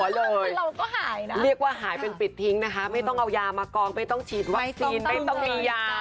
คือเราก็หายนะเรียกว่าหายเป็นปิดทิ้งนะคะไม่ต้องเอายามากองไม่ต้องฉีดวัคซีนไม่ต้องมียา